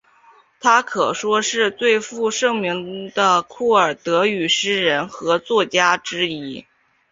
她可说是最负盛名的库尔德语诗人和作家之一。